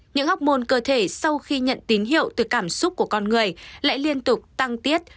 những học môn cơ thể sau khi nhận tín hiệu từ cảm xúc của con người lại liên tục tăng tiết